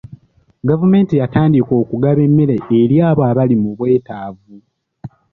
Gavumenti yatandika okugaba emmere eri abo abaali mu bwetaavu.